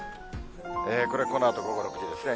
これ、このあと午後６時ですね。